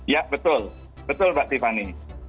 ya betul betul mbak tiffany